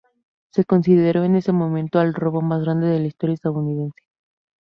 Se consideró en ese momento el robo más grande de la historia estadounidense.